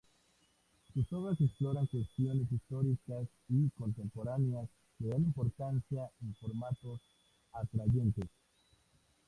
Sus obras exploran cuestiones históricas y contemporáneas de gran importancia en formatos atrayentes.